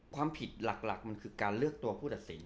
ความผิดหลักมันคือการเลือกตัวผู้ตัดสิน